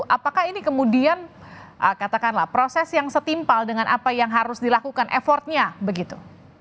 apakah ini kemudian katakanlah proses yang setimpal dengan apa yang harus dilakukan effortnya begitu